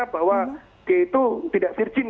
bahwa g itu tidak virgin